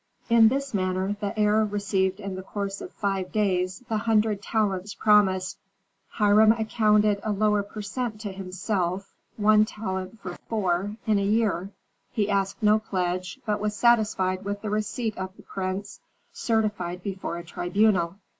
In this manner the heir received in the course of five days the hundred talents promised. Hiram accounted a lower per cent to himself, one talent for four, in a year. He asked no pledge, but was satisfied with the receipt of the prince, certified before a tribunal.